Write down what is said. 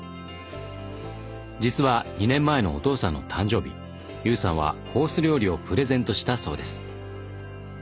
実は２年前のお父さんの誕生日悠さんはコース料理をプレゼントしたそうです。